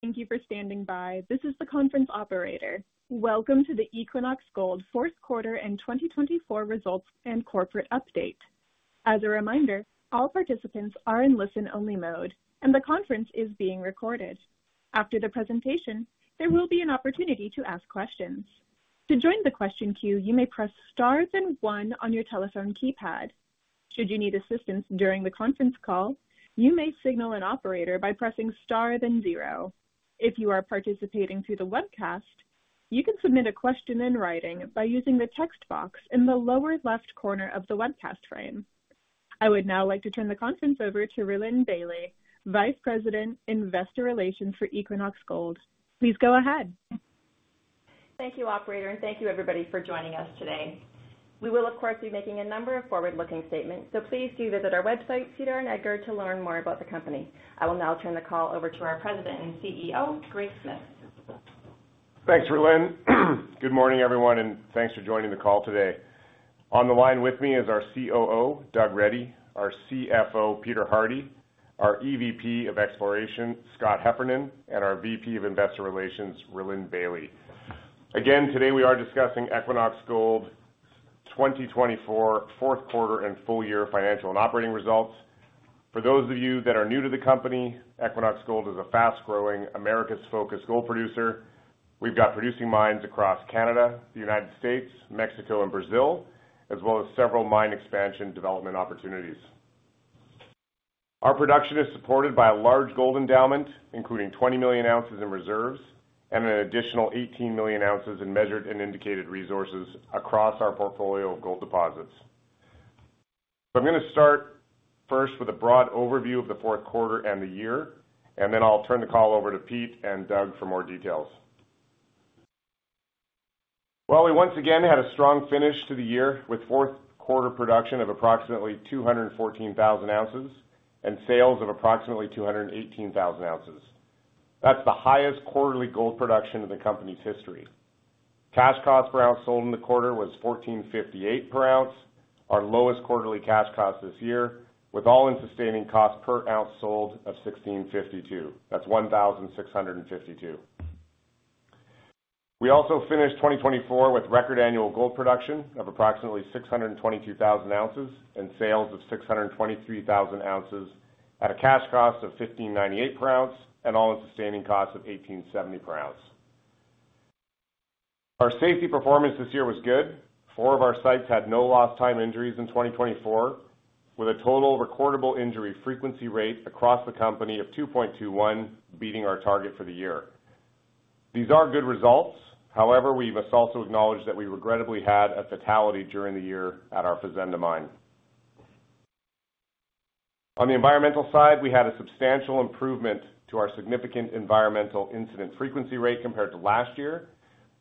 Thank you for standing by. This is the conference operator. Welcome to the Equinox Gold fourth quarter and 2024 results and corporate update. As a reminder, all participants are in listen-only mode, and the conference is being recorded. After the presentation, there will be an opportunity to ask questions. To join the question queue, you may press star, then one on your telephone keypad. Should you need assistance during the conference call, you may signal an operator by pressing star, then zero. If you are participating through the webcast, you can submit a question in writing by using the text box in the lower left corner of the webcast frame. I would now like to turn the conference over to Rhylin Bailie, Vice President, Investor Relations for Equinox Gold. Please go ahead. Thank you, Operator, and thank you, everybody, for joining us today. We will, of course, be making a number of forward-looking statements, so please do visit our website, SEDAR and EDGAR, to learn more about the company. I will now turn the call over to our President and CEO, Greg Smith. Thanks, Rhylin. Good morning, everyone, and thanks for joining the call today. On the line with me is our COO, Doug Reddy, our CFO, Peter Hardie, our EVP of Exploration, Scott Heffernan, and our VP of Investor Relations, Rhylin Bailie. Again, today we are discussing Equinox Gold's 2024 fourth quarter and full-year financial and operating results. For those of you that are new to the company, Equinox Gold is a fast-growing, America-focused gold producer. We've got producing mines across Canada, the United States, Mexico, and Brazil, as well as several mine expansion development opportunities. Our production is supported by a large gold endowment, including 20 million ounces in reserves and an additional 18 million ounces in measured and indicated resources across our portfolio of gold deposits. I'm going to start first with a broad overview of the fourth quarter and the year, and then I'll turn the call over to Pete and Doug for more details. We once again had a strong finish to the year with fourth quarter production of approximately 214,000 ounces and sales of approximately 218,000 ounces. That's the highest quarterly gold production in the company's history. Cash cost per ounce sold in the quarter was $1,458 per ounce, our lowest quarterly cash cost this year, with all-in sustaining cost per ounce sold of $1,652. That's $1,652. We also finished 2024 with record annual gold production of approximately 622,000 ounces and sales of 623,000 ounces at a cash cost of $1,598 per ounce and all-in sustaining cost of $1,870 per ounce. Our safety performance this year was good. Four of our sites had no lost-time injuries in 2024, with a total recordable injury frequency rate across the company of 2.21, beating our target for the year. These are good results. However, we must also acknowledge that we regrettably had a fatality during the year at our Fazenda Mine. On the environmental side, we had a substantial improvement to our significant environmental incident frequency rate compared to last year,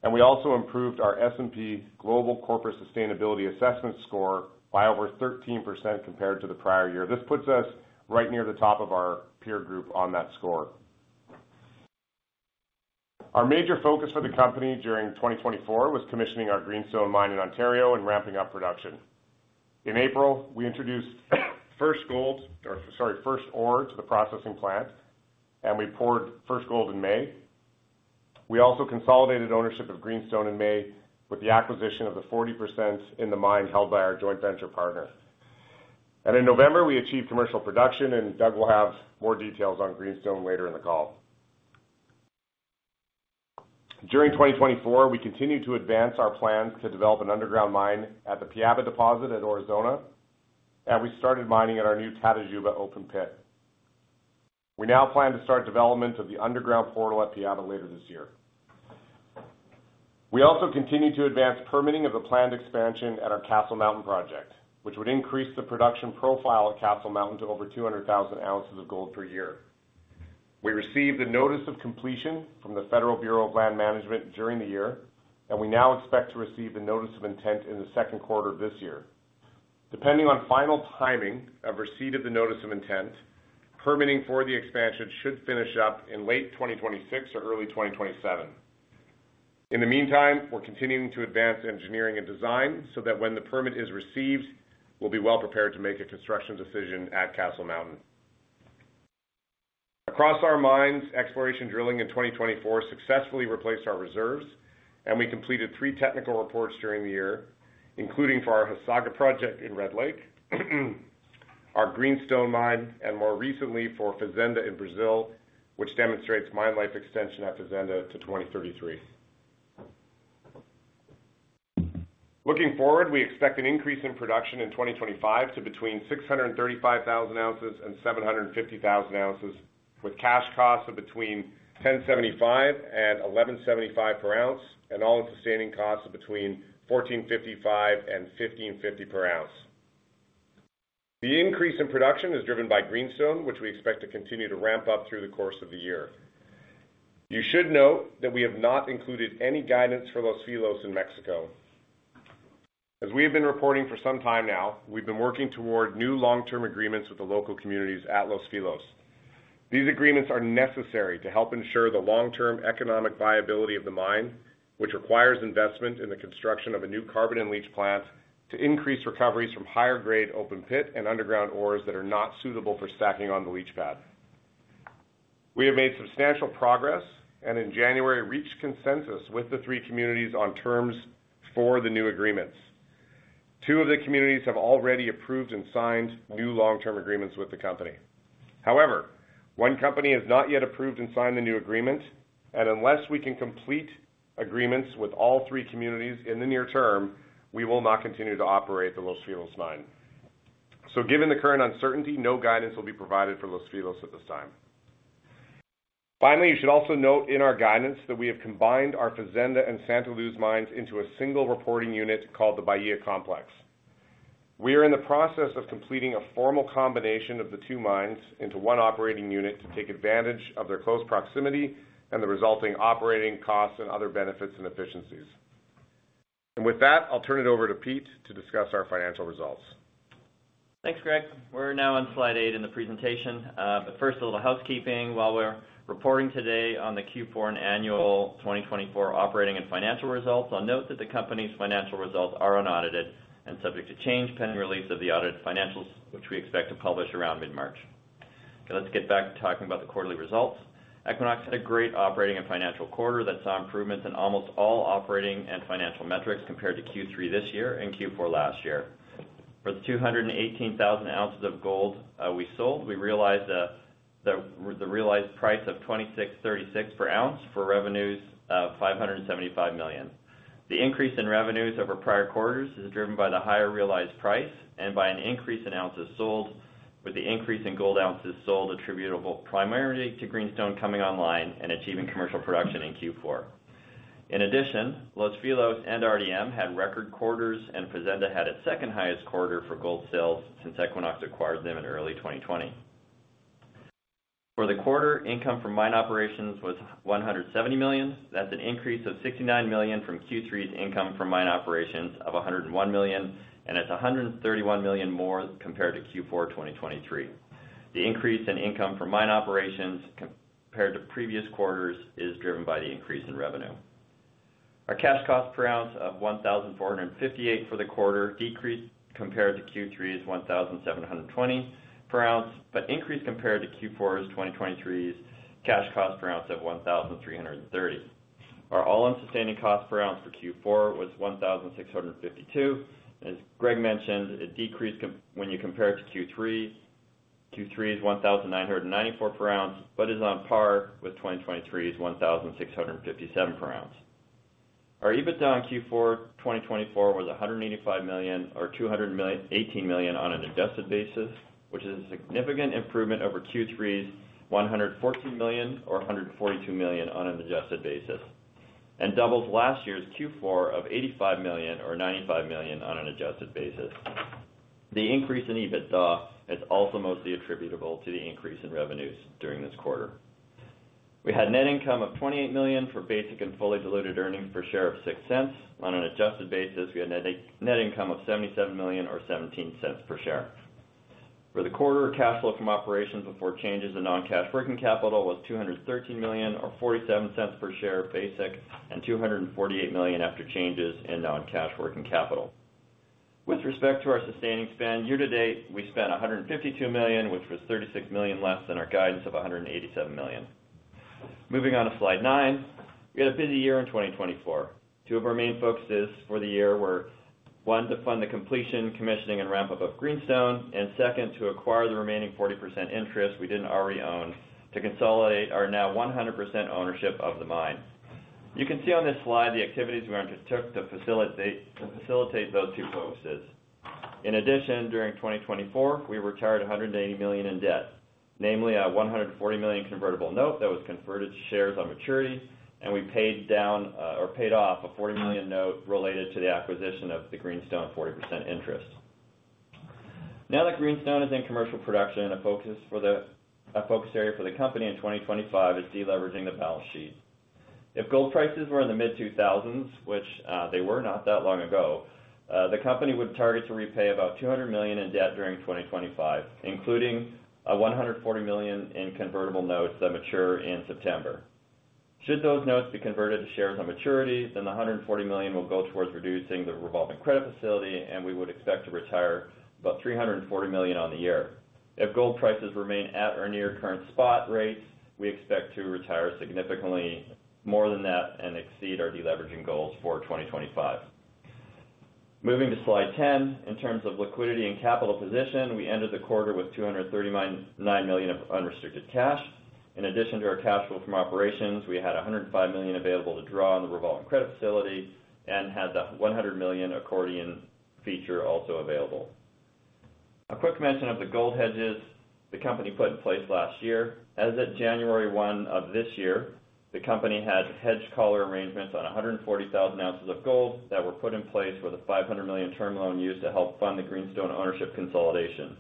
and we also improved our S&P Global Corporate Sustainability Assessment score by over 13% compared to the prior year. This puts us right near the top of our peer group on that score. Our major focus for the company during 2024 was commissioning our Greenstone Mine in Ontario and ramping up production. In April, we introduced first gold, or sorry, first ore to the processing plant, and we poured first gold in May. We also consolidated ownership of Greenstone in May with the acquisition of the 40% in the mine held by our joint venture partner, and in November, we achieved commercial production, and Doug will have more details on Greenstone later in the call. During 2024, we continued to advance our plans to develop an underground mine at the Piaba Deposit at Aurizona that we started mining at our new Tatajuba open pit. We now plan to start development of the underground portal at Piaba later this year. We also continue to advance permitting of the planned expansion at our Castle Mountain project, which would increase the production profile at Castle Mountain to over 200,000 ounces of gold per year. We received a notice of completion from the Bureau of Land Management during the year, and we now expect to receive the notice of intent in the second quarter of this year. Depending on final timing of receipt of the notice of intent, permitting for the expansion should finish up in late 2026 or early 2027. In the meantime, we're continuing to advance engineering and design so that when the permit is received, we'll be well prepared to make a construction decision at Castle Mountain. Across our mines, exploration drilling in 2024 successfully replaced our reserves, and we completed three technical reports during the year, including for our Hasaga project in Red Lake, our Greenstone mine, and more recently for Fazenda in Brazil, which demonstrates mine life extension at to 2033. Looking forward, we expect an increase in production in 2025 to between 635,000 ounces and 750,000 ounces, with cash costs of between $1,075 and $1,175 per ounce and all-in sustaining costs of between $1,455 and $1,550 per ounce. The increase in production is driven by Greenstone, which we expect to continue to ramp up through the course of the year. You should note that we have not included any guidance for Los Filos in Mexico. As we have been reporting for some time now, we've been working toward new long-term agreements with the local communities at Los Filos. These agreements are necessary to help ensure the long-term economic viability of the mine, which requires investment in the construction of a new Carbon-In-Leach plant to increase recoveries from higher-grade open pit and underground ores that are not suitable for stacking on the leach pad. We have made substantial progress and in January reached consensus with the three communities on terms for the new agreements. Two of the communities have already approved and signed new long-term agreements with the company. However, one community has not yet approved and signed the new agreement, and unless we can complete agreements with all three communities in the near term, we will not continue to operate the Los Filos Mine. So given the current uncertainty, no guidance will be provided for Los Filos at this time. Finally, you should also note in our guidance that we have combined our Fazenda and Santa Luz Mines into a single reporting unit called the Bahia Complex. We are in the process of completing a formal combination of the two mines into one operating unit to take advantage of their close proximity and the resulting operating costs and other benefits and efficiencies. With that, I'll turn it over to Pete to discuss our financial results. Thanks, Greg. We're now on slide eight in the presentation. But first, a little housekeeping. While we're reporting today on the Q4 and annual 2024 operating and financial results, I'll note that the company's financial results are unaudited and subject to change pending release of the audited financials, which we expect to publish around mid-March. Okay, let's get back to talking about the quarterly results. Equinox had a great operating and financial quarter that saw improvements in almost all operating and financial metrics compared to Q3 this year and Q4 last year. For the 218,000 ounces of gold we sold, we realized the realized price of $2,636 per ounce for revenues of $575 million. The increase in revenues over prior quarters is driven by the higher realized price and by an increase in ounces sold, with the increase in gold ounces sold attributable primarily to Greenstone coming online and achieving commercial production in Q4. In addition, Los Filos and RDM had record quarters, and Fazenda had its second highest quarter for gold sales since Equinox acquired them in early 2020. For the quarter, income from mine operations was $170 million. That's an increase of $69 million from Q3's income from mine operations of $101 million, and it's $131 million more compared to Q4 2023. The increase in income from mine operations compared to previous quarters is driven by the increase in revenue. Our cash cost per ounce of $1,458 for the quarter decreased compared to Q3's $1,720 per ounce, but increased compared to Q4 2023's cash cost per ounce of $1,330. Our all-in sustaining cost per ounce for Q4 was $1,652. As Greg mentioned, it decreased when you compare it to Q3. Q3's $1,994 per ounce, but is on par with 2023's $1,657 per ounce. Our EBITDA on Q4 2024 was $185 million or $218 million on an adjusted basis, which is a significant improvement over Q3's $114 million or $142 million on an adjusted basis, and doubles last year's Q4 of $85 million or $95 million on an adjusted basis. The increase in EBITDA is also mostly attributable to the increase in revenues during this quarter. We had net income of $28 million for basic and fully diluted earnings per share of $0.06. On an adjusted basis, we had net income of $77 million or $0.17 per share. For the quarter, cash flow from operations before changes in non-cash working capital was $213 million or $0.47 per share of basic and $248 million after changes in non-cash working capital. With respect to our sustaining spend, year to date, we spent $152 million, which was $36 million less than our guidance of $187 million. Moving on to slide nine, we had a busy year in 2024. Two of our main focuses for the year were, one, to fund the completion, commissioning, and ramp-up of Greenstone, and second, to acquire the remaining 40% interest we didn't already own to consolidate our now 100% ownership of the mine. You can see on this slide the activities we undertook to facilitate those two focuses. In addition, during 2024, we retired $180 million in debt, namely a $140 million convertible note that was converted to shares on maturity, and we paid down or paid off a $40 million note related to the acquisition of the Greenstone 40% interest. Now that Greenstone is in commercial production, a focus area for the company in 2025 is deleveraging the balance sheet. If gold prices were in the mid-2000s, which they were not that long ago, the company would target to repay about $200 million in debt during 2025, including $140 million in convertible notes that mature in September. Should those notes be converted to shares on maturity, then the $140 million will go towards reducing the revolving credit facility, and we would expect to retire about $340 million on the year. If gold prices remain at or near current spot rates, we expect to retire significantly more than that and exceed our deleveraging goals for 2025. Moving to slide 10, in terms of liquidity and capital position, we ended the quarter with $239 million of unrestricted cash. In addition to our cash flow from operations, we had $105 million available to draw on the revolving credit facility and had the $100 million accordion feature also available. A quick mention of the gold hedges the company put in place last year. As of January 1 of this year, the company had hedge collar arrangements on 140,000 ounces of gold that were put in place with a $500 million term loan used to help fund the Greenstone ownership consolidation.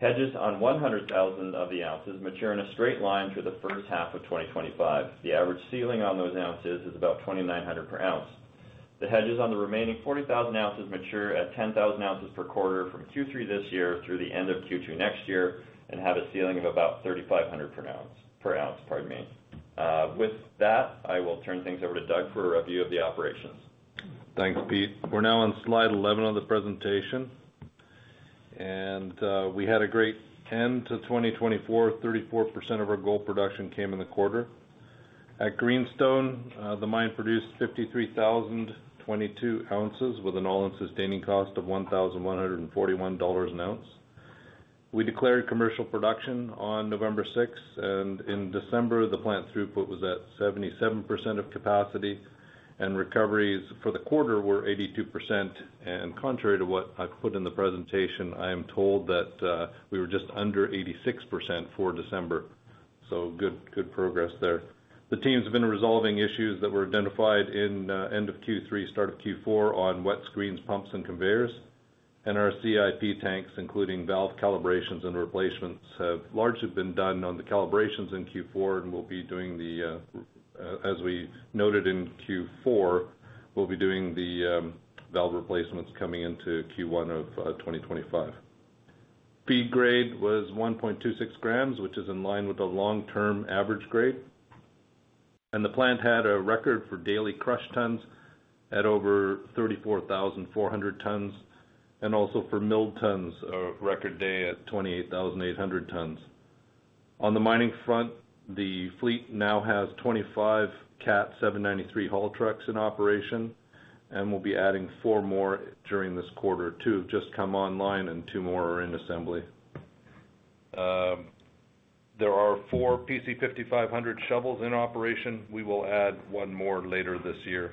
Hedges on 100,000 of the ounces mature in a straight line through the first half of 2025. The average ceiling on those ounces is about $2,900 per ounce. The hedges on the remaining 40,000 ounces mature at 10,000 ounces per quarter from Q3 this year through the end of Q2 next year and have a ceiling of about $3,500 per ounce. With that, I will turn things over to Doug for a review of the operations. Thanks, Pete. We're now on slide 11 of the presentation, and we had a great end to 2024. 34% of our gold production came in the quarter. At Greenstone, the mine produced 53,022 ounces with an all-in sustaining cost of $1,141 an ounce. We declared commercial production on November 6, and in December, the plant throughput was at 77% of capacity, and recoveries for the quarter were 82%, and contrary to what I put in the presentation, I am told that we were just under 86% for December, so good progress there. The team's been resolving issues that were identified in end of Q3, start of Q4 on wet screens, pumps, and conveyors. Our CIP tanks, including valve calibrations and replacements, have largely been done on the calibrations in Q4, and we'll be doing the valve replacements, as we noted in Q4, coming into Q1 of 2025. Feed grade was 1.26 grams, which is in line with the long-term average grade. The plant had a record for daily crush tons at over 34,400 tons, and also for milled tons, a record day at 28,800 tons. On the mining front, the fleet now has 25 CAT 793 haul trucks in operation and will be adding four more during this quarter. Two have just come online, and two more are in assembly. There are four PC 5500 shovels in operation. We will add one more later this year.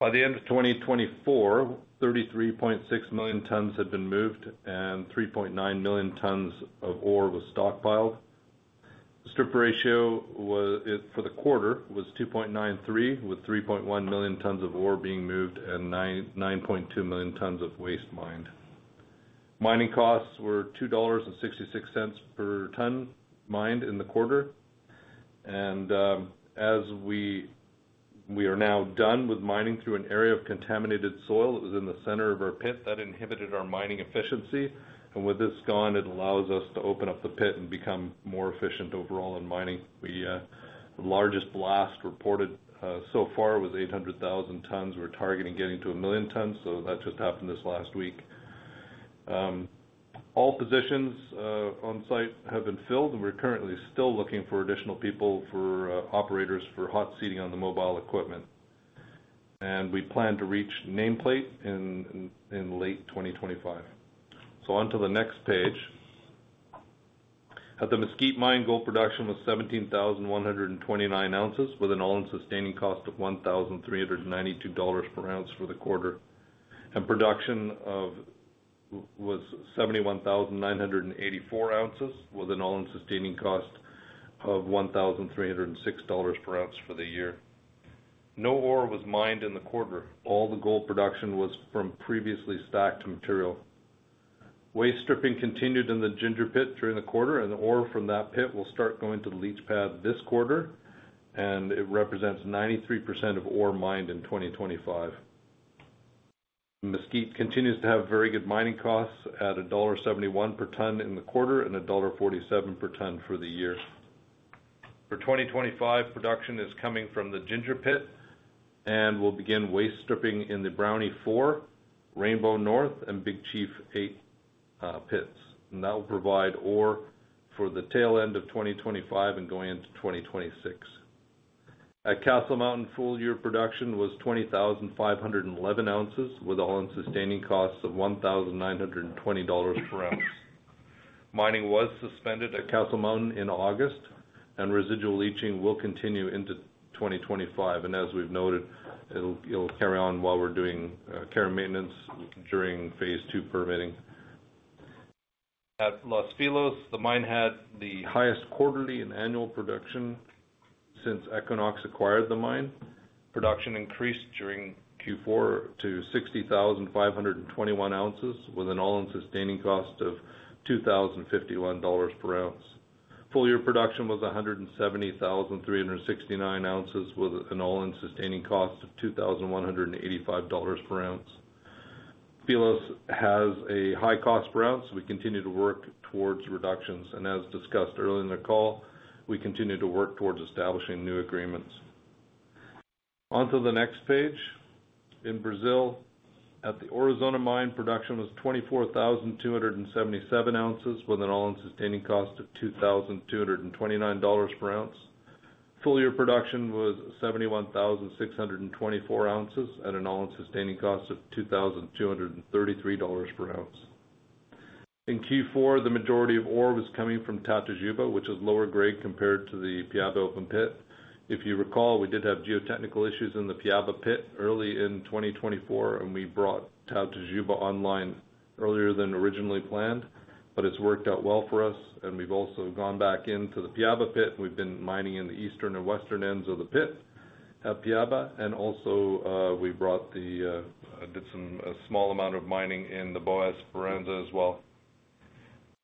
By the end of 2024, 33.6 million tons had been moved, and 3.9 million tons of ore was stockpiled. The strip ratio for the quarter was 2.93, with 3.1 million tons of ore being moved and 9.2 million tons of waste mined. Mining costs were $2.66 per ton mined in the quarter. As we are now done with mining through an area of contaminated soil, it was in the center of our pit that inhibited our mining efficiency. With this gone, it allows us to open up the pit and become more efficient overall in mining. The largest blast reported so far was 800,000 tons. We're targeting getting to a million tons, so that just happened this last week. All positions on site have been filled, and we're currently still looking for additional people for operators for hot seating on the mobile equipment. We plan to reach nameplate in late 2025. On to the next page. At the Mesquite Mine, gold production was 17,129 ounces with an all-in sustaining cost of $1,392 per ounce for the quarter. Production was 71,984 ounces with an all-in sustaining cost of $1,306 per ounce for the year. No ore was mined in the quarter. All the gold production was from previously stacked material. Waste stripping continued in the Ginger Pit during the quarter, and the ore from that pit will start going to the leach pad this quarter, and it represents 93% of ore mined in 2025. Mesquite continues to have very good mining costs at $1.71 per ton in the quarter and $1.47 per ton for the year. For 2025, production is coming from the Ginger Pit and will begin waste stripping in the Brownie 4, Rainbow North, and Big Chief 8 pits. That will provide ore for the tail end of 2025 and going into 2026. At Castle Mountain, full year production was 20,511 ounces with all-in sustaining costs of $1,920 per ounce. Mining was suspended at Castle Mountain in August, and residual leaching will continue into 2025, and as we've noted, it'll carry on while we're doing carrying maintenance during phase two permitting. At Los Filos, the mine had the highest quarterly and annual production since Equinox acquired the mine. Production increased during Q4 to 60,521 ounces with an all-in sustaining cost of $2,051 per ounce. Full year production was 170,369 ounces with an all-in sustaining cost of $2,185 per ounce. Filos has a high cost per ounce, so we continue to work towards reductions, and as discussed earlier in the call, we continue to work towards establishing new agreements. On to the next page. In Brazil, at the Aurizona Mine, production was 24,277 ounces with an all-in sustaining cost of $2,229 per ounce. Full year production was 71,624 ounces at an all-in sustaining cost of $2,233 per ounce. In Q4, the majority of ore was coming from Tatajuba, which is lower grade compared to the Piaba open pit. If you recall, we did have geotechnical issues in the Piaba Pit early in 2024, and we brought Tatajuba online earlier than originally planned, but it's worked out well for us, and we've also gone back into the Piaba Pit. We've been mining in the eastern and western ends of the pit at Piaba, and also we did some small amount of mining in the Boa Esperança as well.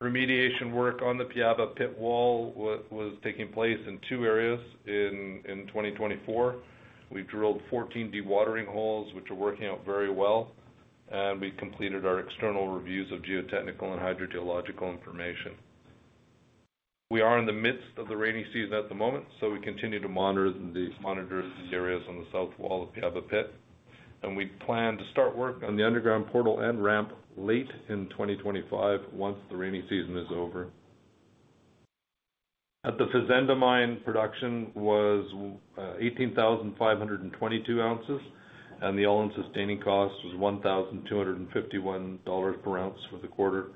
Remediation work on the Piaba Pit wall was taking place in two areas in 2024. We drilled 14 dewatering holes, which are working out very well, and we completed our external reviews of geotechnical and hydrogeological information. We are in the midst of the rainy season at the moment, so we continue to monitor the areas on the south wall of Piaba Pit, and we plan to start work on the underground portal and ramp late in 2025 once the rainy season is over. At the Fazenda Mine, production was 18,522 ounces, and the all-in sustaining cost was $1,251 per ounce for the quarter.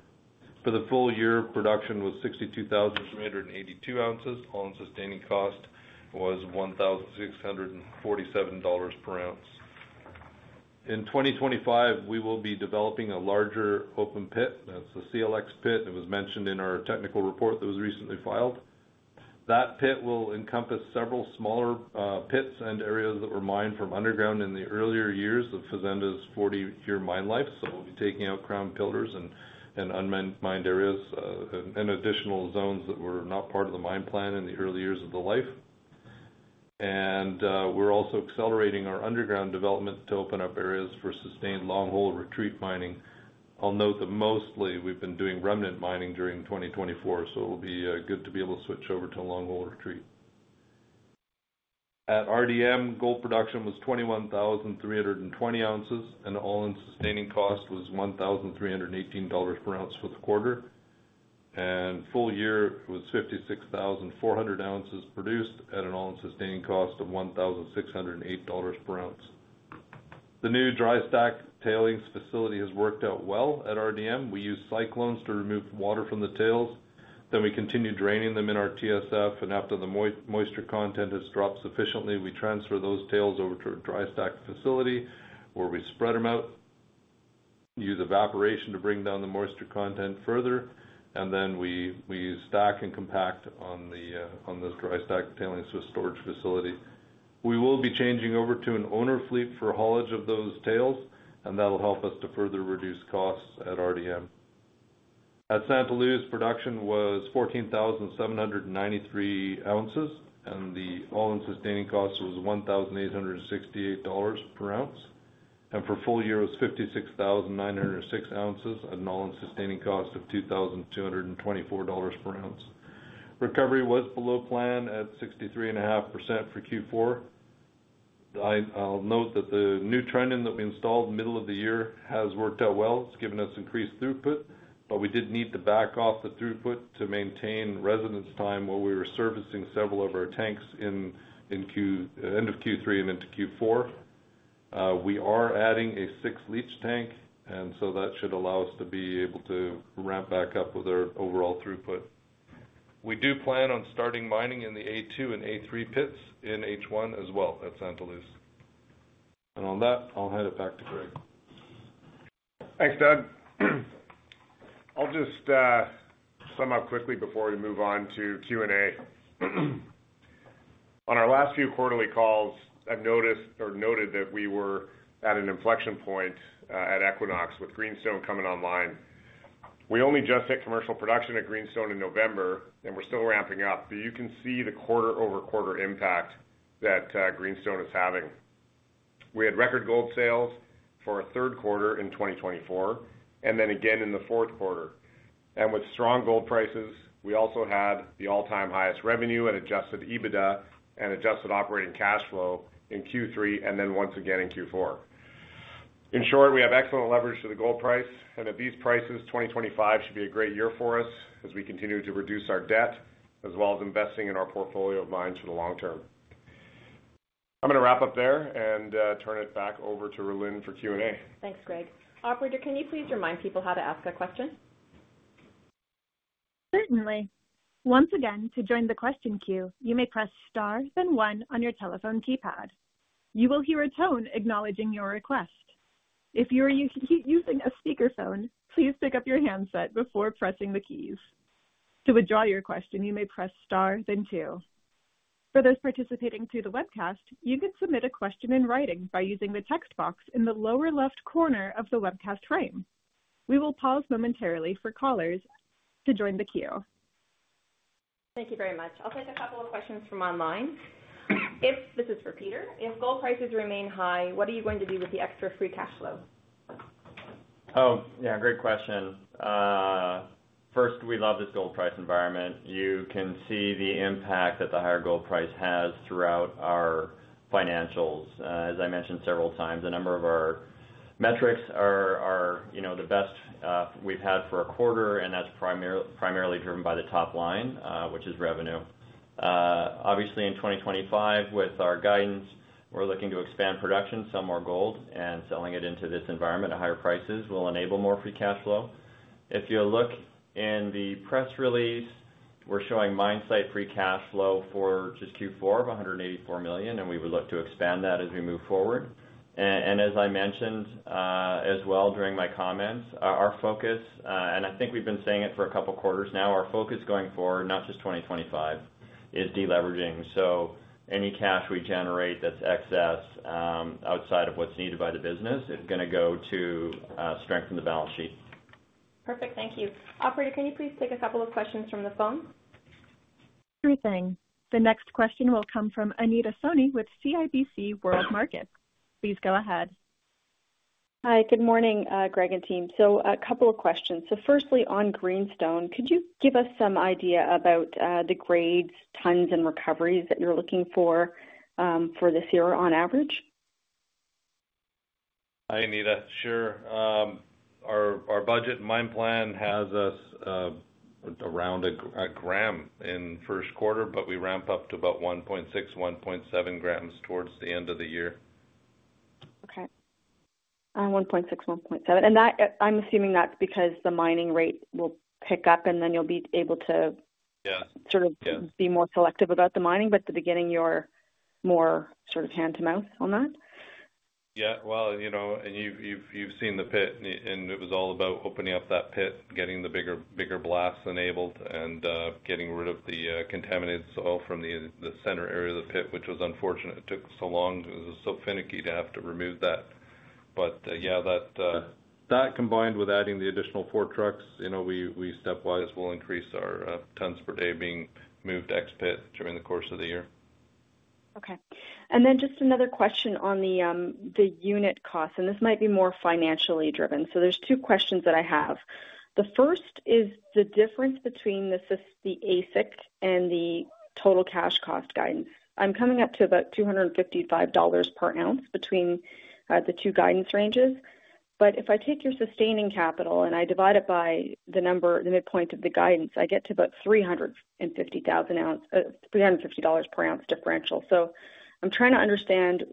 For the full year, production was 62,382 ounces. All-in sustaining cost was $1,647 per ounce. In 2025, we will be developing a larger open pit. That's the CLX Pit. It was mentioned in our technical report that was recently filed. That pit will encompass several smaller pits and areas that were mined from underground in the earlier years of Fazenda's 40-year mine life. We'll be taking out crown pillars and unmined areas and additional zones that were not part of the mine plan in the early years of the life. And we're also accelerating our underground development to open up areas for sustained long-hole retreat mining. I'll note that mostly we've been doing remnant mining during 2024, so it'll be good to be able to switch over to long-hole retreat. At RDM, gold production was 21,320 ounces, and all-in sustaining cost was $1,318 per ounce for the quarter. And full year was 56,400 ounces produced at an all-in sustaining cost of $1,608 per ounce. The new dry stack tailings facility has worked out well at RDM. We use cyclones to remove water from the tails. Then we continue draining them in our TSF, and after the moisture content has dropped sufficiently, we transfer those tails over to a dry stack facility where we spread them out, use evaporation to bring down the moisture content further, and then we stack and compact on the dry stack tailings storage facility. We will be changing over to an owner fleet for haulage of those tails, and that'll help us to further reduce costs at RDM. At Santa Luz, production was 14,793 ounces, and the all-in sustaining cost was $1,868 per ounce. And for full year, it was 56,906 ounces at an all-in sustaining cost of $2,224 per ounce. Recovery was below plan at 63.5% for Q4. I'll note that the new trending that we installed middle of the year has worked out well. It's given us increased throughput, but we did need to back off the throughput to maintain residence time while we were servicing several of our tanks in end of Q3 and into Q4. We are adding a sixth leach tank, and so that should allow us to be able to ramp back up with our overall throughput. We do plan on starting mining in the A2 and A3 pits in H1 as well at Santa Luz. And on that, I'll hand it back to Greg. Thanks, Doug. I'll just sum up quickly before we move on to Q&A. On our last few quarterly calls, I've noticed or noted that we were at an inflection point at Equinox Gold with Greenstone coming online. We only just hit commercial production at Greenstone in November, and we're still ramping up. But you can see the quarter-over-quarter impact that Greenstone is having. We had record gold sales for a third quarter in 2024, and then again in the fourth quarter. And with strong gold prices, we also had the all-time highest revenue and adjusted EBITDA and adjusted operating cash flow in Q3 and then once again in Q4. In short, we have excellent leverage to the gold price, and at these prices, 2025 should be a great year for us as we continue to reduce our debt as well as investing in our portfolio of mines for the long term. I'm going to wrap up there and turn it back over to Rhylin for Q&A. Thanks, Greg. Operator, can you please remind people how to ask a question? Certainly. Once again, to join the question queue, you may press star then one on your telephone keypad. You will hear a tone acknowledging your request. If you are using a speakerphone, please pick up your handset before pressing the keys. To withdraw your question, you may press star then two. For those participating through the webcast, you can submit a question in writing by using the text box in the lower left corner of the webcast frame. We will pause momentarily for callers to join the queue. Thank you very much. I'll take a couple of questions from online. This is for Peter. If gold prices remain high, what are you going to do with the extra free cash flow? Oh, yeah, great question. First, we love this gold price environment. You can see the impact that the higher gold price has throughout our financials. As I mentioned several times, a number of our metrics are the best we've had for a quarter, and that's primarily driven by the top line, which is revenue. Obviously, in 2025, with our guidance, we're looking to expand production, sell more gold, and selling it into this environment at higher prices will enable more free cash flow. If you look in the press release, we're showing mine site Free Cash Flow for just Q4 of $184 million, and we would look to expand that as we move forward, and as I mentioned as well during my comments, our focus, and I think we've been saying it for a couple of quarters now, our focus going forward, not just 2025, is deleveraging. Any cash we generate that's excess outside of what's needed by the business is going to go to strengthen the balance sheet. Perfect. Thank you. Operator, can you please take a couple of questions from the phone? Sure thing. The next question will come from Anita Soni with CIBC World Markets. Please go ahead. Hi, good morning, Greg and team. So a couple of questions. So firstly, on Greenstone, could you give us some idea about the grades, tons, and recoveries that you're looking for for this year on average? Hi, Anita. Sure. Our budget mine plan has us around a gram in first quarter, but we ramp up to about 1.6, 1.7 grams towards the end of the year. Okay. 1.6, 1.7. And I'm assuming that's because the mining rate will pick up, and then you'll be able to sort of be more selective about the mining, but at the beginning, you're more sort of hand to mouth on that? Yeah, well, and you've seen the pit, and it was all about opening up that pit, getting the bigger blasts enabled, and getting rid of the contaminated soil from the center area of the pit, which was unfortunate. It took so long. It was so finicky to have to remove that. But yeah, that combined with adding the additional four trucks, we stepwise will increase our tons per day being moved to X Pit during the course of the year. Okay. And then just another question on the unit costs, and this might be more financially driven. So there's two questions that I have. The first is the difference between the AISC and the Total Cash Cost guidance. I'm coming up to about $255 per ounce between the two guidance ranges. But if I take your sustaining capital and I divide it by the midpoint of the guidance, I get to about $350,000 per ounce differential. So I'm trying to understand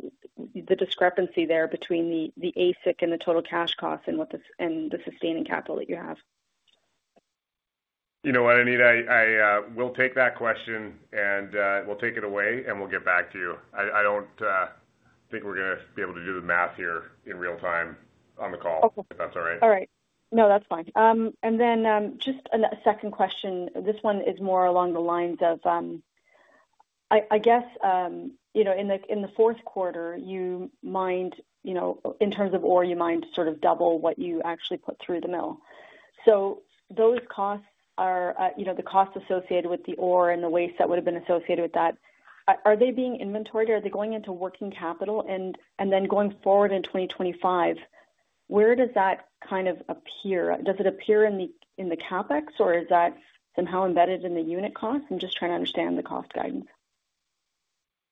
the discrepancy there between the AISC and the total cash cost and the sustaining capital that you have. You know what, Anita? I will take that question, and we'll take it away, and we'll get back to you. I don't think we're going to be able to do the math here in real time on the call, if that's all right. All right. No, that's fine. And then just a second question. This one is more along the lines of, I guess, in the fourth quarter, you mined in terms of ore you mined sort of double what you actually put through the mill. So those costs are the costs associated with the ore and the waste that would have been associated with that. Are they being inventoried? Are they going into working capital? And then going forward in 2025, where does that kind of appear? Does it appear in the CapEx, or is that somehow embedded in the unit cost? I'm just trying to understand the cost guidance.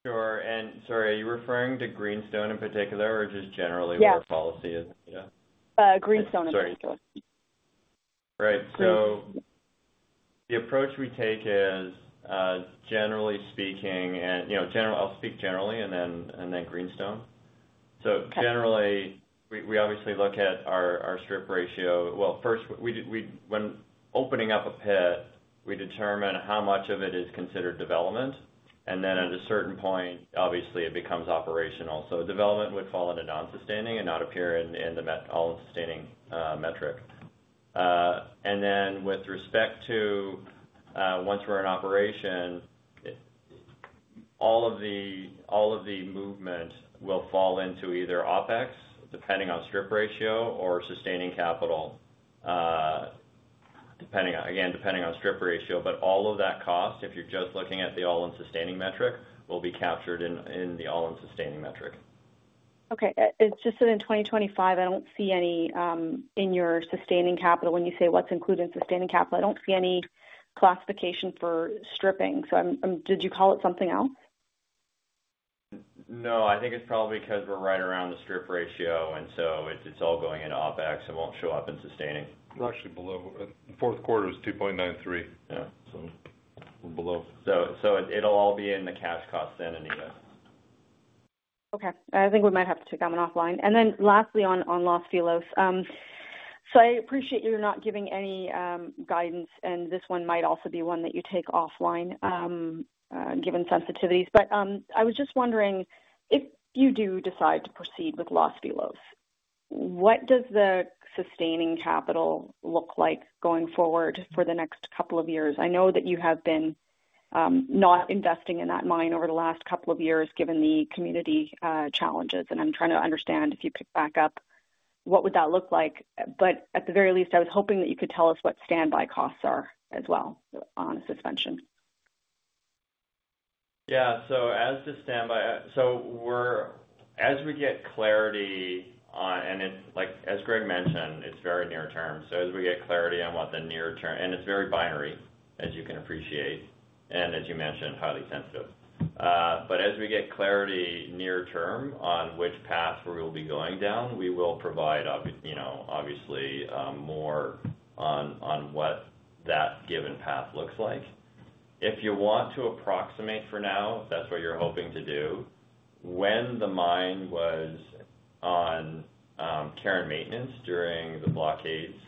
Sure. And sorry, are you referring to Greenstone in particular or just generally what the policy is? Yeah. Greenstone in particular. Sorry. Right. So the approach we take is, generally speaking, and I'll speak generally and then Greenstone. So generally, we obviously look at our strip ratio. Well, first, when opening up a pit, we determine how much of it is considered development. And then at a certain point, obviously, it becomes operational. So development would fall into non-sustaining and not appear in the all-in-sustaining metric. And then with respect to once we're in operation, all of the movement will fall into either OpEx, depending on strip ratio, or sustaining capital, again, depending on strip ratio. But all of that cost, if you're just looking at the all-in-sustaining metric, will be captured in the all-in-sustaining metric. Okay. It's just that in 2025, I don't see any in your sustaining capital. When you say what's included in sustaining capital, I don't see any classification for stripping. So did you call it something else? No, I think it's probably because we're right around the strip ratio, and so it's all going into OpEx and won't show up in sustaining. Actually, below. Fourth quarter was $2.93. Yeah, so we're below. So it'll all be in the cash cost then, Anita. Okay. I think we might have to take one offline. And then lastly, on Los Filos. So I appreciate you're not giving any guidance, and this one might also be one that you take offline given sensitivities. But I was just wondering, if you do decide to proceed with Los Filos, what does the sustaining capital look like going forward for the next couple of years? I know that you have been not investing in that mine over the last couple of years given the community challenges, and I'm trying to understand if you pick back up, what would that look like? But at the very least, I was hoping that you could tell us what standby costs are as well on a suspension. Yeah. So as we get clarity, and as Greg mentioned, it's very near term. So as we get clarity on what the near term and it's very binary, as you can appreciate, and as you mentioned, highly sensitive. But as we get clarity near term on which path we will be going down, we will provide, obviously, more on what that given path looks like. If you want to approximate for now, if that's what you're hoping to do, when the mine was on care and maintenance during the blockades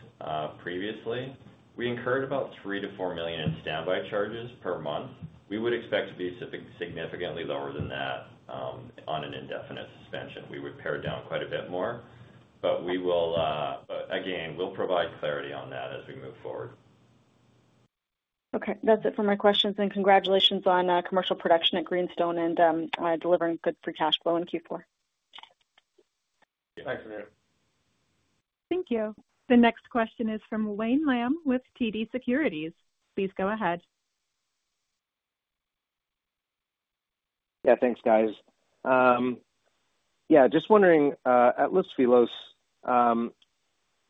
previously, we incurred about $3million-$4 million in standby charges per month. We would expect to be significantly lower than that on an indefinite suspension. We would pare down quite a bit more. But again, we'll provide clarity on that as we move forward. Okay. That's it for my questions, and congratulations on commercial production at Greenstone and delivering good Free Cash Flow in Q4. Thanks, Anita. Thank you. The next question is from Wayne Lam with TD Securities. Please go ahead. Yeah, thanks, guys. Yeah, just wondering, at Los Filos,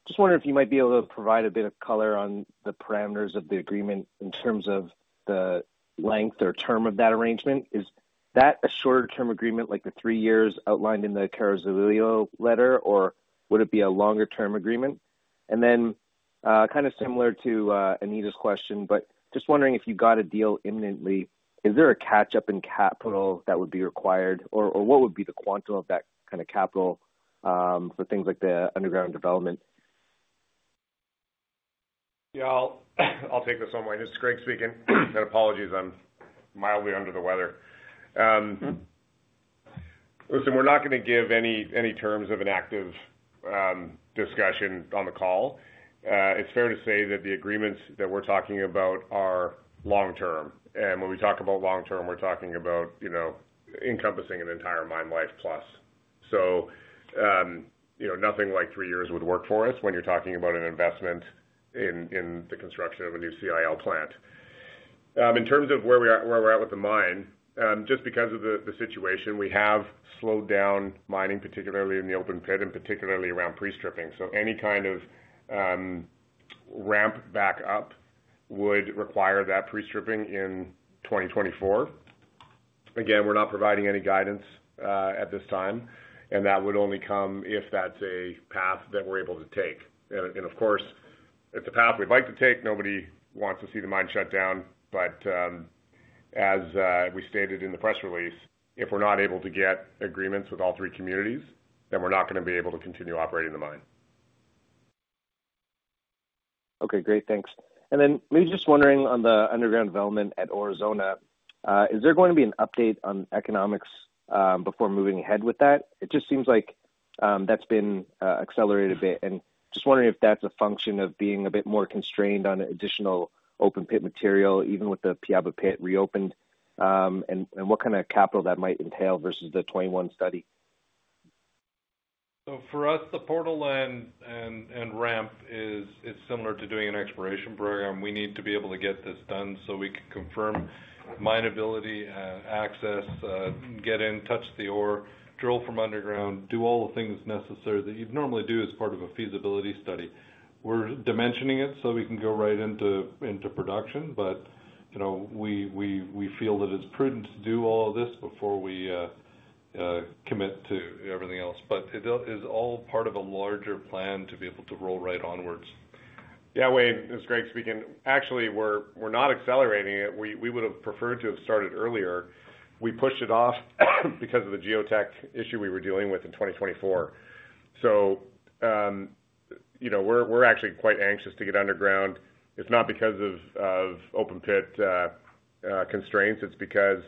just wondering if you might be able to provide a bit of color on the parameters of the agreement in terms of the length or term of that arrangement. Is that a shorter-term agreement like the three years outlined in the Carrizalillo letter, or would it be a longer-term agreement? And then kind of similar to Anita's question, but just wondering if you got a deal imminently, is there a catch-up in capital that would be required, or what would be the quantum of that kind of capital for things like the underground development? Yeah, I'll take this one. This is Greg speaking, and apologies, I'm mildly under the weather. Listen, we're not going to give any terms of an active discussion on the call. It's fair to say that the agreements that we're talking about are long-term, and when we talk about long-term, we're talking about encompassing an entire mine life plus, so nothing like three years would work for us when you're talking about an investment in the construction of a new CIL plant. In terms of where we're at with the mine, just because of the situation, we have slowed down mining, particularly in the open pit and particularly around pre-stripping, so any kind of ramp back up would require that pre-stripping in 2024. Again, we're not providing any guidance at this time, and that would only come if that's a path that we're able to take. Of course, it's a path we'd like to take. Nobody wants to see the mine shut down. As we stated in the press release, if we're not able to get agreements with all three communities, then we're not going to be able to continue operating the mine. Okay, great. Thanks, then maybe just wondering on the underground development at Aurizona, is there going to be an update on economics before moving ahead with that? It just seems like that's been accelerated a bit, and just wondering if that's a function of being a bit more constrained on additional open pit material, even with the Piaba Pit reopened, and what kind of capital that might entail versus the 2021 study? So for us, the portal and ramp is similar to doing an exploration program. We need to be able to get this done so we can confirm mineability, access, get in, touch the ore, drill from underground, do all the things necessary that you'd normally do as part of a feasibility study. We're dimensioning it so we can go right into production, but we feel that it's prudent to do all of this before we commit to everything else. But it is all part of a larger plan to be able to roll right onwards. Yeah, Wayne, it's Greg speaking. Actually, we're not accelerating it. We would have preferred to have started earlier. We pushed it off because of the geotech issue we were dealing with in 2024. So we're actually quite anxious to get underground. It's not because of open pit constraints. It's because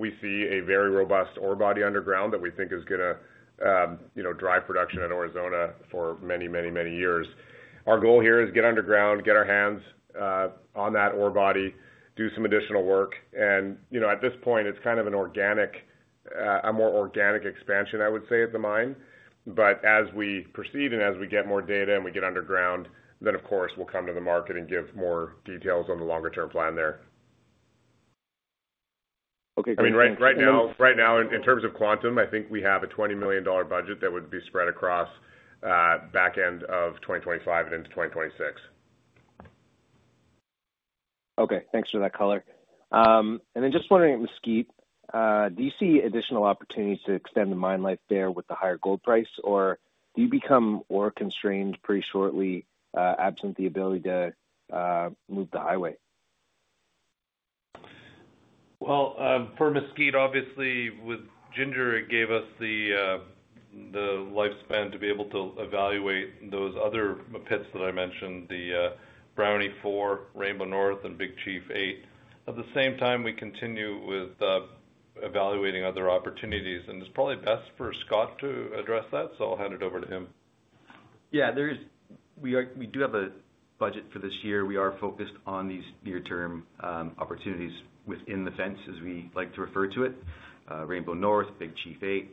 we see a very robust ore body underground that we think is going to drive production at Aurizona for many, many, many years. Our goal here is to get underground, get our hands on that ore body, do some additional work, and at this point, it's kind of a more organic expansion, I would say, at the mine. But as we proceed and as we get more data and we get underground, then, of course, we'll come to the market and give more details on the longer-term plan there. I mean, right now, in terms of quantum, I think we have a $20 million budget that would be spread across back end of 2025 and into 2026. Okay. Thanks for that color. And then just wondering, Mesquite, do you see additional opportunities to extend the mine life there with the higher gold price, or do you become ore-constrained pretty shortly, absent the ability to move the highway? For Mesquite, obviously, with Ginger, it gave us the lifespan to be able to evaluate those other pits that I mentioned, the Brownie 4, Rainbow North, and Big Chief 8. At the same time, we continue with evaluating other opportunities. It's probably best for Scott to address that, so I'll hand it over to him. Yeah. We do have a budget for this year. We are focused on these near-term opportunities within the fence, as we like to refer to it, Rainbow North, Big Chief 8.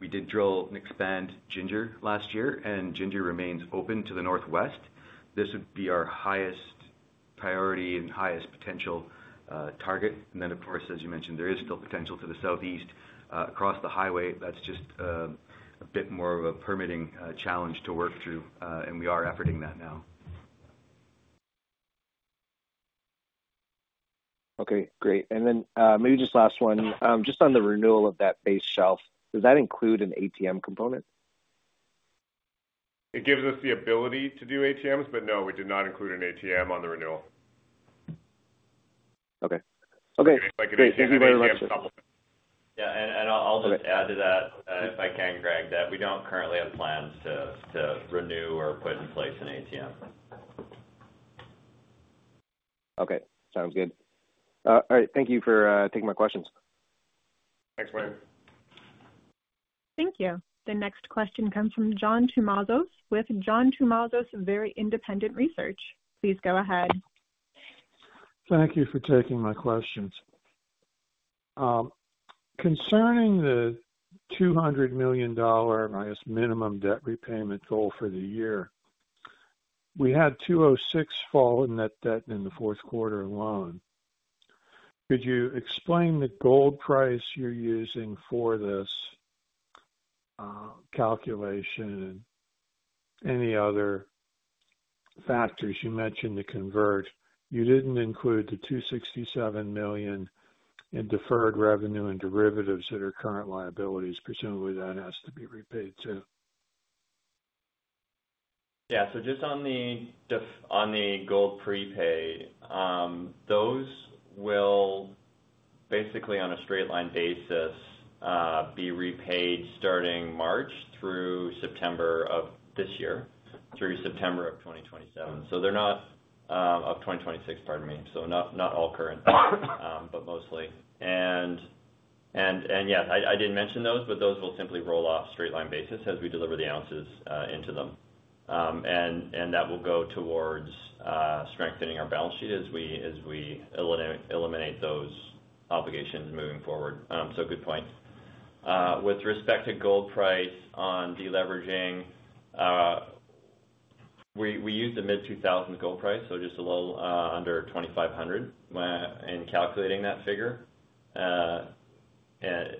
We did drill and expand Ginger last year, and Ginger remains open to the northwest. This would be our highest priority and highest potential target. And then, of course, as you mentioned, there is still potential to the southeast across the highway. That's just a bit more of a permitting challenge to work through, and we are efforting that now. Okay. Great. And then maybe just last one, just on the renewal of that base shelf, does that include an ATM component? It gives us the ability to do ATMs, but no, we did not include an ATM on the renewal. Okay. Thank you very much. Yeah. And I'll just add to that, if I can, Greg, that we don't currently have plans to renew or put in place an ATM. Okay. Sounds good. All right. Thank you for taking my questions. Thanks, Greg. Thank you. The next question comes from John Tumazos with John Tumazos Very Independent Research. Please go ahead. Thank you for taking my questions. Concerning the $200 million, I guess, minimum debt repayment goal for the year, we had $206 million fall in that debt in the fourth quarter alone. Could you explain the gold price you're using for this calculation and any other factors you mentioned to convert? You didn't include the $267 million in deferred revenue and derivatives that are current liabilities. Presumably, that has to be repaid too. Yeah. So just on the gold prepay, those will basically, on a straight-line basis, be repaid starting March through September of this year, through September of 2027. So they're not of 2026, pardon me. So not all current, but mostly. And yeah, I didn't mention those, but those will simply roll off straight-line basis as we deliver the ounces into them. And that will go towards strengthening our balance sheet as we eliminate those obligations moving forward. So good point. With respect to gold price on deleveraging, we use the mid-2000s gold price, so just a little under $2,500 in calculating that figure. And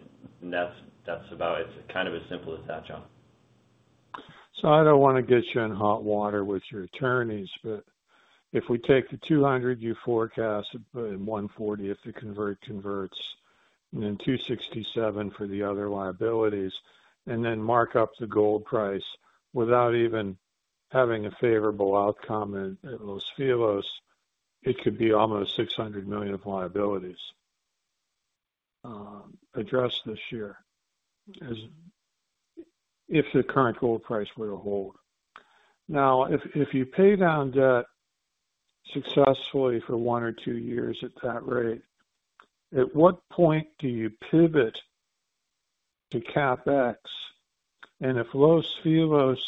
that's about it. It's kind of as simple as that, John. So I don't want to get you in hot water with your attorneys, but if we take the $200 million you forecast and $140 million if the convert converts, and then $267 million for the other liabilities, and then mark up the gold price without even having a favorable outcome at Los Filos, it could be almost $600 million of liabilities addressed this year if the current gold price were to hold. Now, if you pay down debt successfully for one or two years at that rate, at what point do you pivot to CapEx? And if Los Filos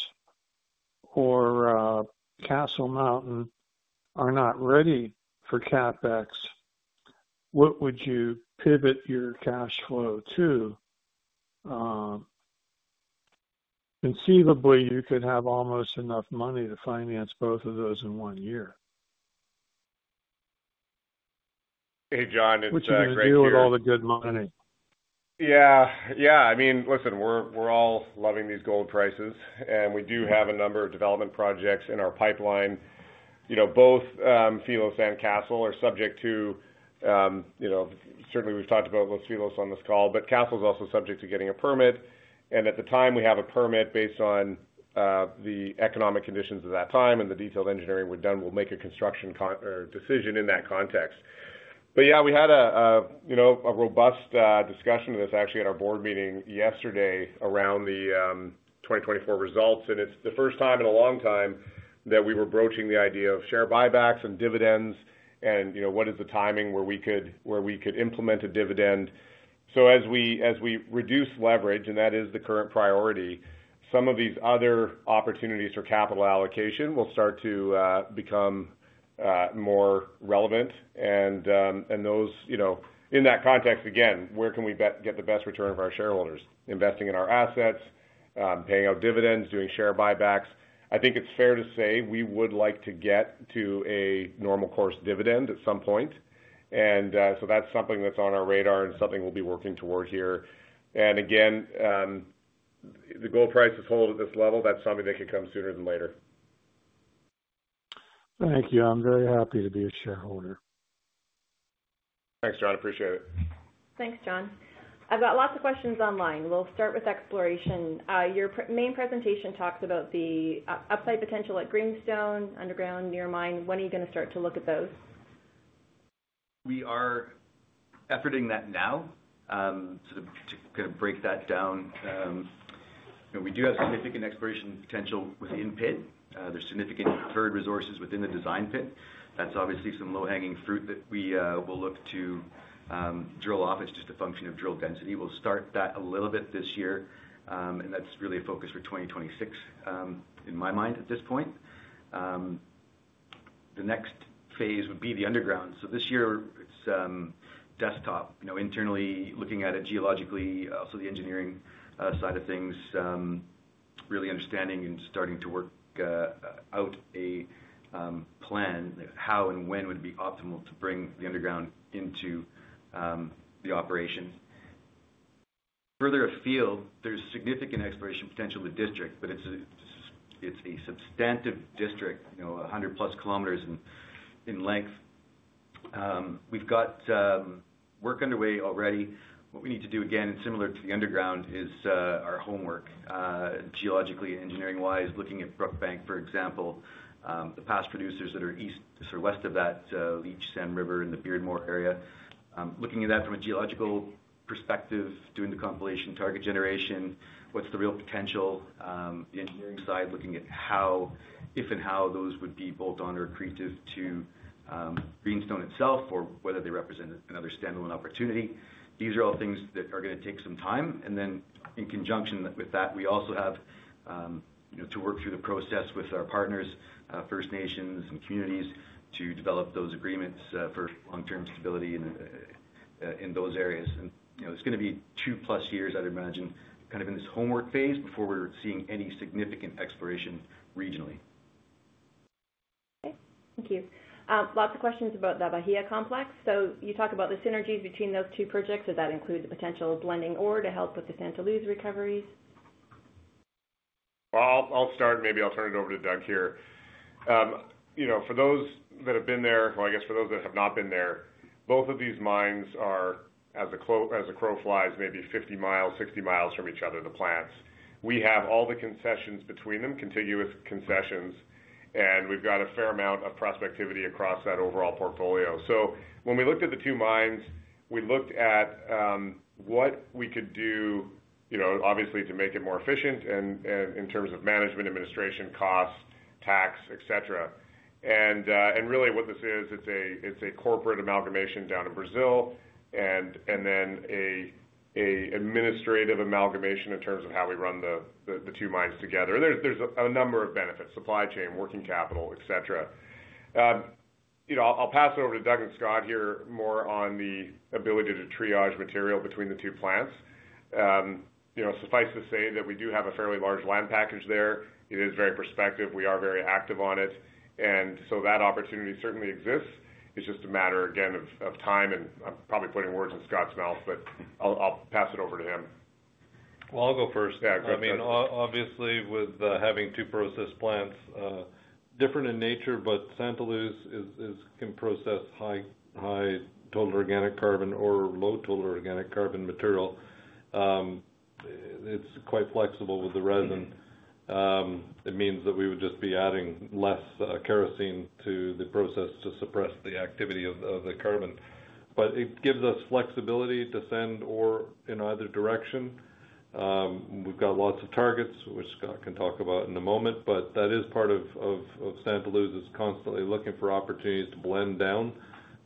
or Castle Mountain are not ready for CapEx, what would you pivot your cash flow to? Conceivably, you could have almost enough money to finance both of those in one year. Hey, John, it's Greg speaking. Which I agree with you with all the good money. Yeah. Yeah. I mean, listen, we're all loving these gold prices, and we do have a number of development projects in our pipeline. Both Los Filos and Castle are subject to certainly. We've talked about Los Filos on this call, but Castle is also subject to getting a permit. And at the time, we have a permit based on the economic conditions of that time, and the detailed engineering we've done will make a construction decision in that context. But yeah, we had a robust discussion of this actually at our board meeting yesterday around the 2024 results. And it's the first time in a long time that we were broaching the idea of share buybacks and dividends, and what is the timing where we could implement a dividend. As we reduce leverage, and that is the current priority, some of these other opportunities for capital allocation will start to become more relevant. In that context, again, where can we get the best return for our shareholders? Investing in our assets, paying out dividends, doing share buybacks. I think it's fair to say we would like to get to a normal-course dividend at some point. That's something that's on our radar and something we'll be working toward here. Again, the gold price is holding at this level. That's something that could come sooner than later. Thank you. I'm very happy to be a shareholder. Thanks, John. Appreciate it. Thanks, John. I've got lots of questions online. We'll start with exploration. Your main presentation talks about the upside potential at Greenstone, underground, near mine. When are you going to start to look at those? We are efforting that now to kind of break that down. We do have significant exploration potential within the pit. There's significant inferred resources within the design pit. That's obviously some low-hanging fruit that we will look to drill off. It's just a function of drill density. We'll start that a little bit this year, and that's really a focus for 2026 in my mind at this point. The next phase would be the underground, so this year it's desktop, internally looking at it geologically, also the engineering side of things, really understanding and starting to work out a plan, how and when would be optimal to bring the underground into the operation. Further afield, there's significant exploration potential in the district, but it's a substantial district, 100-plus km in length. We've got work underway already. What we need to do again, and similar to the underground, is our homework geologically and engineering-wise, looking at Brookbank, for example, the past producers that are east or west of that Leitch Sand River in the Beardmore area. Looking at that from a geological perspective, doing the compilation target generation, what's the real potential? The engineering side, looking at how, if and how, those would be bolt-on or accretive to Greenstone itself, or whether they represent another standalone opportunity. These are all things that are going to take some time. And then in conjunction with that, we also have to work through the process with our partners, First Nations and communities, to develop those agreements for long-term stability in those areas. And it's going to be two-plus years, I'd imagine, kind of in this homework phase before we're seeing any significant exploration regionally. Okay. Thank you. Lots of questions about the Bahia Complex. So you talk about the synergies between those two projects. Does that include the potential blending ore to help with the Santa Luz recoveries? I'll start, and maybe I'll turn it over to Doug here. For those that have been there, or I guess for those that have not been there, both of these mines are, as a crow flies, maybe 50 miles, 60 miles from each other, the plants. We have all the concessions between them, contiguous concessions, and we've got a fair amount of prospectivity across that overall portfolio. So when we looked at the two mines, we looked at what we could do, obviously, to make it more efficient in terms of management, administration, costs, tax, etc. And really, what this is, it's a corporate amalgamation down in Brazil and then an administrative amalgamation in terms of how we run the two mines together. There's a number of benefits: supply chain, working capital, etc. I'll pass it over to Doug and Scott here more on the ability to triage material between the two plants. Suffice to say that we do have a fairly large land package there. It is very prospective. We are very active on it. And so that opportunity certainly exists. It's just a matter, again, of time. And I'm probably putting words in Scott's mouth, but I'll pass it over to him. I'll go first. I mean, obviously, with having two process plants, different in nature, but Santa Luz can process high total organic carbon or low total organic carbon material. It's quite flexible with the resin. It means that we would just be adding less kerosene to the process to suppress the activity of the carbon. But it gives us flexibility to send ore in either direction. We've got lots of targets, which Scott can talk about in a moment, but that is part of Santa Luz is constantly looking for opportunities to blend down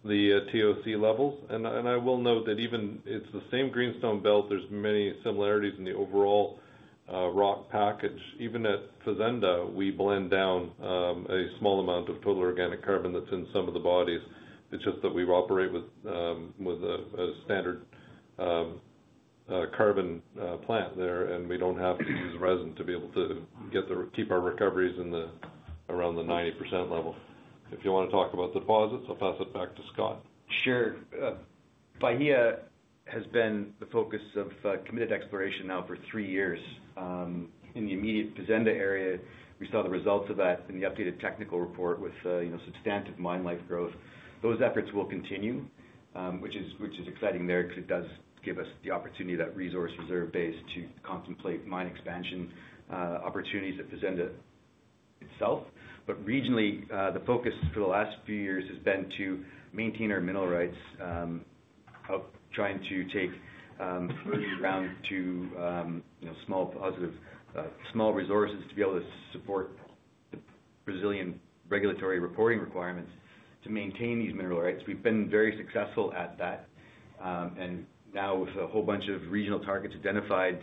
the TOC levels. And I will note that even it's the same Greenstone Belt. There's many similarities in the overall rock package. Even at Fazenda, we blend down a small amount of total organic carbon that's in some of the bodies. It's just that we operate with a standard carbon plant there, and we don't have to use resin to be able to keep our recoveries around the 90% level. If you want to talk about deposits, I'll pass it back to Scott. Sure. Bahia has been the focus of committed exploration now for three years. In the immediate Fazenda area, we saw the results of that in the updated technical report with substantive mine life growth. Those efforts will continue, which is exciting there because it does give us the opportunity, that resource reserve base, to contemplate mine expansion opportunities at Fazenda itself. But regionally, the focus for the last few years has been to maintain our mineral rights by trying to turn around those small resources to be able to support the Brazilian regulatory reporting requirements to maintain these mineral rights. We've been very successful at that. Now, with a whole bunch of regional targets identified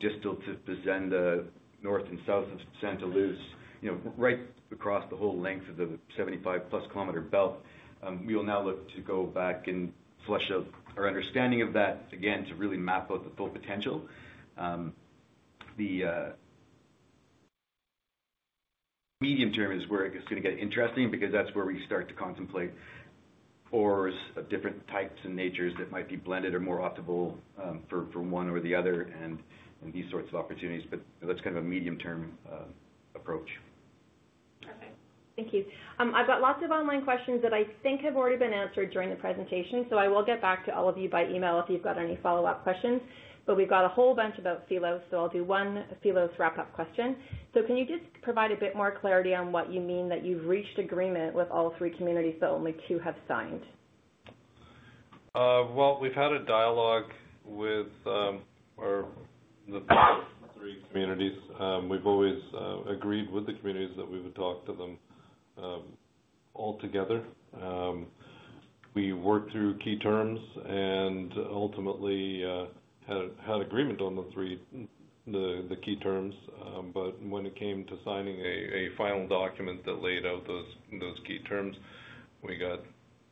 distal to Fazenda, north and south of Santa Luz, right across the whole length of the 75-plus kilometer belt, we will now look to go back and flush out our understanding of that again to really map out the full potential. The medium term is where it's going to get interesting because that's where we start to contemplate ores of different types and natures that might be blended or more optimal for one or the other and these sorts of opportunities. That's kind of a medium-term approach. Okay. Thank you. I've got lots of online questions that I think have already been answered during the presentation. So I will get back to all of you by email if you've got any follow-up questions. But we've got a whole bunch about Los Filos. So I'll do one Los Filos wrap-up question. So can you just provide a bit more clarity on what you mean that you've reached agreement with all three communities, but only two have signed? We've had a dialogue with the three communities. We've always agreed with the communities that we would talk to them all together. We worked through key terms and ultimately had agreement on the key terms. But when it came to signing a final document that laid out those key terms, we got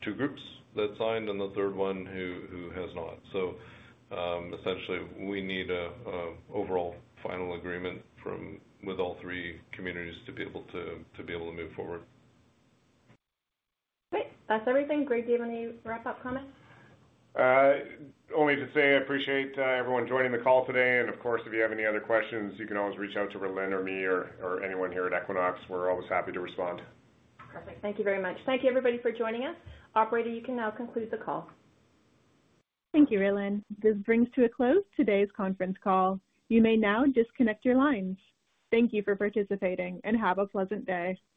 two groups that signed and the third one who has not. So essentially, we need an overall final agreement with all three communities to be able to move forward. Okay. That's everything. Greg, do you have any wrap-up comments? Only to say I appreciate everyone joining the call today, and of course, if you have any other questions, you can always reach out to Rhylin or me or anyone here at Equinox. We're always happy to respond. Perfect. Thank you very much. Thank you, everybody, for joining us. Operator, you can now conclude the call. Thank you, Rhylin. This brings to a close today's conference call. You may now disconnect your lines. Thank you for participating and have a pleasant day.